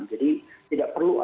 jadi tidak perlu ada